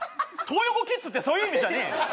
トー横キッズってそういう意味じゃねえよ